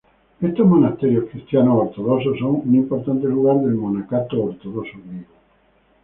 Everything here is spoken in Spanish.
Estos monasterios cristianos ortodoxos son un importante lugar del monacato ortodoxo griego.